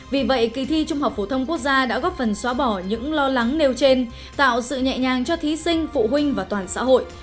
vì vậy kỳ thi trung học phổ thông quốc gia đã góp phần xóa bỏ những lo lắng nêu trên tạo sự nhẹ nhàng cho thí sinh phụ huynh và toàn xã hội